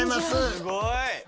すごい！